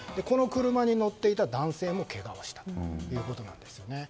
この車に乗っていた男性もけがをしたということなんです。